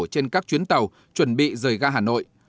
trên các chuyến tàu chuẩn bị rời ra hà nội